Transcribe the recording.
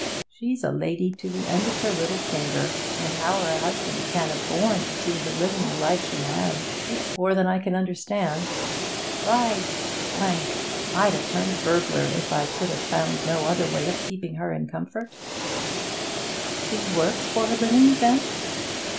She's a lady to the end of her little finger, and how her husband can 'a borne to see her living the life she has, it's more than I can understand. By ! I'd have turned burglar, if I could 'a found no other way of keeping her in comfort.' 'She works for her living, then?'